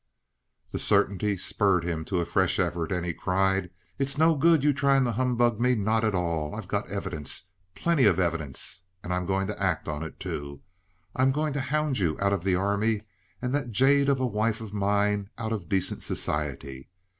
The certainty spurred him to a fresh effort, and he cried: "It's no good your trying to humbug me none at all. I've got evidence plenty of evidence! And I'm going to act on it, too. I'm going to hound you out of the Army and that jade of a wife of mine out of decent society.